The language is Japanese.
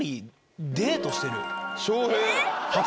翔平。